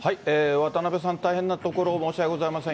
渡辺さん、大変なところ、申し訳ございません。